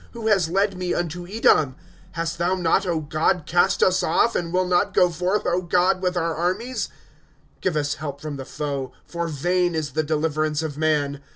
Who has led me unto Edom ?'^ Hast not thou, God, cast us off, And wilt not go forth, God, with our armies? 1^ Give us help from the foe ; For vain is the deliverance of man.